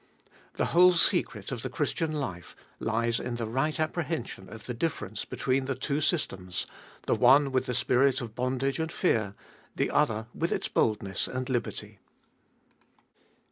The whole secret of the Christian life lies in the right apprehension of the difference between the two systems, the one with the spirit of bondage and fear, the other with its boldness and liberty.